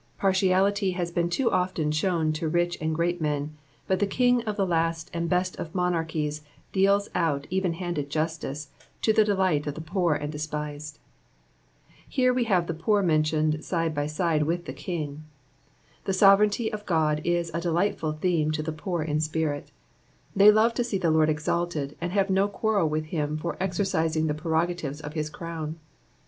Partialiiy has been too often shown to rich and great meu, but the King of the last aud best of monarchies deals out even handed justice, to the delight of the poor and despised. Here we have the poor meutiuued side by sido with the king. The sovereignty of God is a delightful theme to the poor i'^ spirit ; they love to see the Lord exalted, and have no quarrel with him for exercising the prerogatives of his crown.